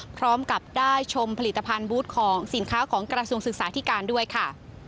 พร้อมกับได้ชมผลิตภัณฑ์บูธของสินค้าของกระทรวงศึกษาธิการด้วยค่ะ